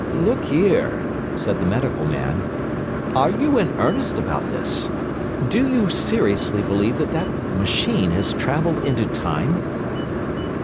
"Look here," said the Medical Man, "are you in earnest about this? Do you seriously believe that that machine has travelled into time?"